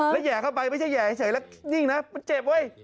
แล้วแห่เข้าไปไม่ใช่แห่เฉยแล้วนิ่งนะมันเจ็บเว้ย